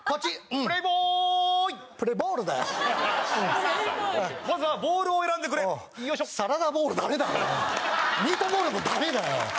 プレーボールだよまずはボールを選んでくれよいしょサラダボウルダメだろミートボールもダメだよ